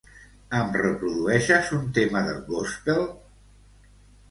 Em reprodueixes un tema de gòspel?